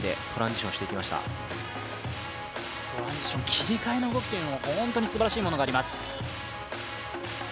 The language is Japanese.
切り替えの動きも本当にすばらしいものがあります。